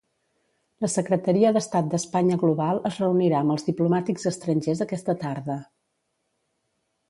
La secretaria d'Estat d'Espanya Global es reunirà amb els diplomàtics estrangers aquesta tarda.